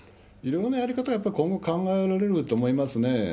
いろいろなやり方は、今後考えられると思いますね。